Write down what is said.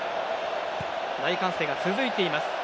大歓声が続いています。